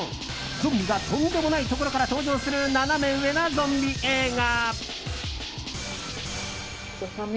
ゾンビがとんでもないところから登場するナナメ上なゾンビ映画。